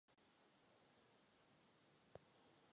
Bývá i součástí školní výuky a používají ho místní policejní složky.